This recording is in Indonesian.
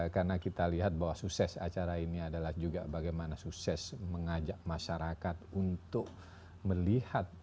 karena kita lihat bahwa sukses acara ini adalah juga bagaimana sukses mengajak masyarakat untuk melihat